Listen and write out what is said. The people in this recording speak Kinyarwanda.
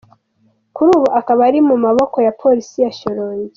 Kuri ubu akaba ari mu maboko ya Polisi ya Shyorongi.